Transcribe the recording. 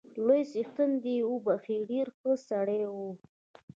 لوی څښتن دې يې وبخښي، ډېر ښه سړی وو